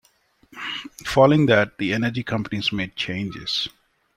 Following that, the energy companies made changes.